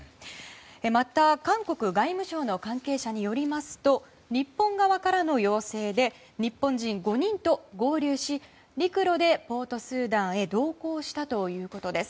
また、韓国外務省の関係者によりますと日本側からの要請で日本人５人と合流し陸路でポートスーダンへ同行したということです。